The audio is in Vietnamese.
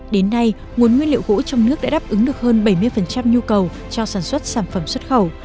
đến nay nguồn nguyên liệu gỗ trong nước đã đáp ứng được hơn bảy mươi nhu cầu cho sản xuất sản phẩm xuất khẩu